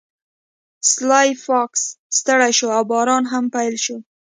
سلای فاکس ستړی شو او باران هم پیل شو